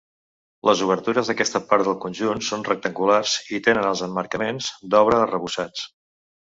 Les obertures d'aquesta part del conjunt són rectangulars i tenen els emmarcaments d'obra arrebossats.